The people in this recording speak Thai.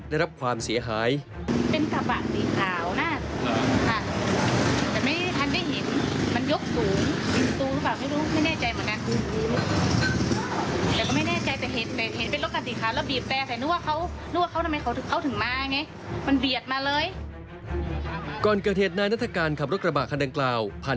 ได้รับความเสียหายเป็นขราบะสีขาวน่ะแต่ไม่ทันได้เห็น